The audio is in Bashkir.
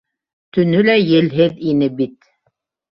Төнө лә елһеҙ ине бит.